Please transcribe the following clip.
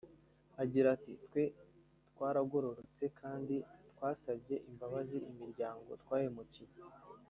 Agira ati “Twe twaragororotse kandi twasabye imbabazi imiryango twahemukiye